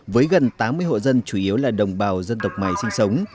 với gần tám mươi hộ dân chủ yếu là đồng bào dân tộc mài sinh sống